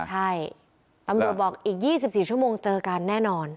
ใช่ตำรวจบอกอีก๒๔ชั่วโมงเจอกันแน่นอน